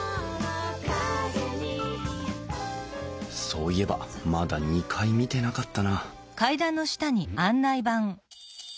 そういえばまだ２階見てなかったなうん？